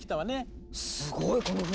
すごいこの船！